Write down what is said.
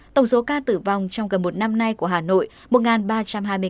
tổng số ca tử vong trong gần một năm nay của hà nội